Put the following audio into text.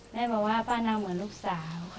แม่บอกว่าพ่าน้องเหมือนลูกสาวค่ะ